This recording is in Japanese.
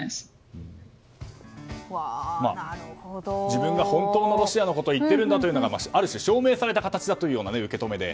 自分が本当のロシアのことを言っているんだということがある種、証明された形といった受け止めで。